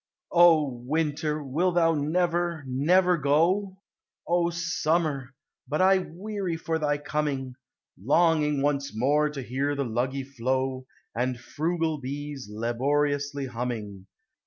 O winter! wilt thou never, never go? O summer! but I weary for thy coming, Longing once more to hear the Luggie flow, And frugal bees, laboriously humming.